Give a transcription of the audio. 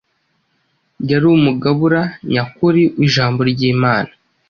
yari umugabura nyakuri w’ijambo ry’Imana